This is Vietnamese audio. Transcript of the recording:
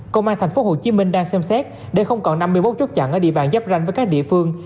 công an tp hcm đang xem xét để không còn năm mươi một chốt chặn ở địa bàn giáp ranh với các địa phương